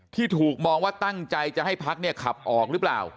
ที่ถูกมองว่าตั้งใจจะให้พักเนี่ยขับออกหรือเปล่า